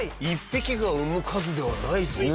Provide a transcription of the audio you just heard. １匹が産む数ではないぞ。